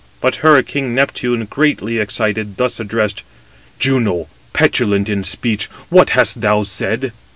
But her king Neptune, greatly excited, thus addressed: "Juno, petulant 270 in speech, what hast thou said?